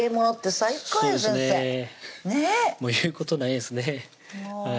先生ねぇもう言うことないですね